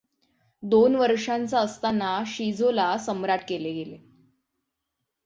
दोन वर्षांचा असताना शिजोला सम्राट केले गेले.